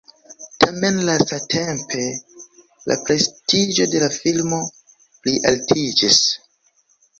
Tamen lastatempe la prestiĝo de la filmo plialtiĝis.